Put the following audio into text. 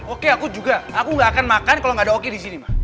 oke aku juga aku gak akan makan kalau gak ada oki di sini ma